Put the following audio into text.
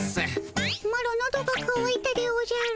マロのどがかわいたでおじゃる。